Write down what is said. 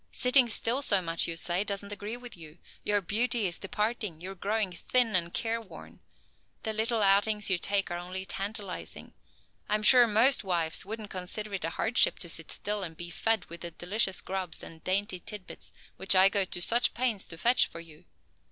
"Sitting still so much, you say, doesn't agree with you. Your beauty is departing! You are growing thin and careworn! The little outings you take are only tantalizing. I am sure most wives wouldn't consider it a hardship to sit still and be fed with the delicious grubs and dainty tidbits which I go to such pains to fetch for you.